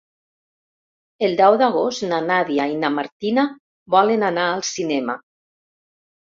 El deu d'agost na Nàdia i na Martina volen anar al cinema.